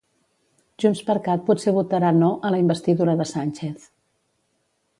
JxCat potser votarà 'no'a la investidura de Sánchez.